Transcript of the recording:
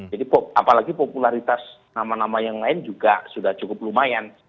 jadi apalagi popularitas nama nama yang lain juga sudah cukup lumayan